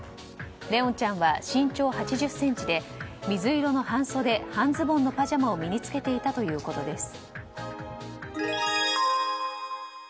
怜音ちゃんは身長８０ｃｍで水色の半そで半ズボンのパジャマを身に着けていたということです。